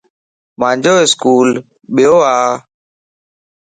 مانجو اسڪول يو ا